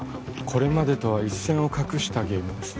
これまでとは一線を画したゲームです